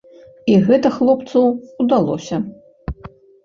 І гэта хлопцу ўдалося.